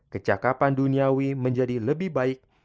kecakapan duniawi menjadi lebih baik